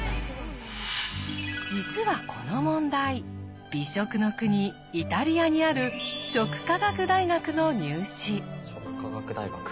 実はこの問題美食の国イタリアにある食科学大学の入試。